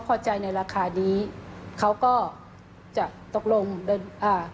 พูดไทยสารเป็นธรรมการแจ้งภาระ๕๘๔